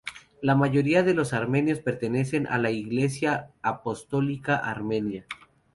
La mayoría de los armenios pertenecen a la Iglesia Apostólica Armenia.